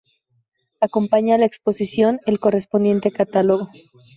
Acompaña a la exposición el correspondiente catálogo.